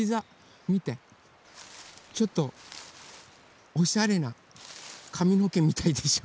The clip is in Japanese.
ちょっとおしゃれなかみのけみたいでしょ。